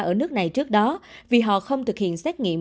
ở nước này trước đó vì họ không thực hiện xét nghiệm